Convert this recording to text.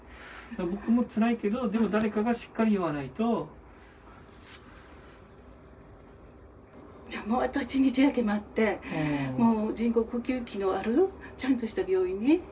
僕もつらいけど、でも誰かがしっじゃあもう１日だけ待って、もう人工呼吸器のあるちゃんとした病院に。